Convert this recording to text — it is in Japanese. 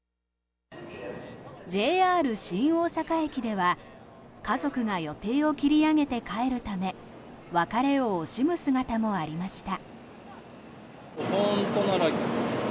ＪＲ新大阪駅では家族が予定を切り上げて帰るため別れを惜しむ姿もありました。